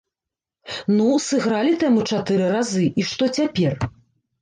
Ну, сыгралі тэму чатыры разы, і што цяпер?